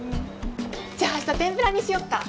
じゃあ明日天ぷらにしよっか。